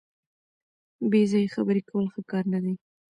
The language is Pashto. بې ځایه خبرې کول ښه کار نه دی.